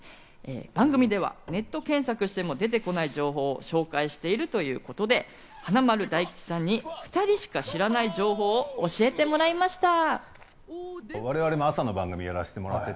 番組ではネット検索しても出てこない情報を紹介しているということで、華丸、大吉さんに、２人しか知らない情報を教えてもらいました。